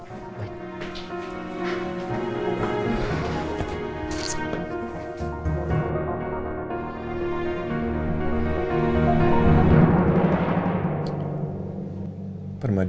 parmadi apa kabar